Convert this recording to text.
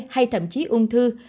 hay thậm chí ung thư